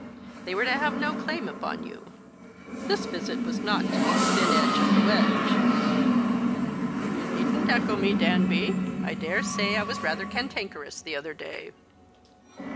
They were to have no claim upon you. This visit was not to be the thin end of the wedge." 116 The Christmas Hirelings. " You needn't echo me, Danby. I dare say I was rather cantankerous the other day."